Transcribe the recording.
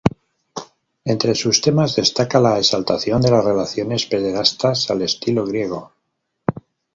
Entre sus temas destaca la exaltación de las relaciones pederastas al estilo griego.